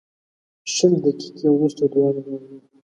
شل دقیقې وروسته دواړه راغلل.